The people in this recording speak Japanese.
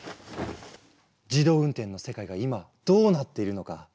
自動運転の世界が今どうなっているのか。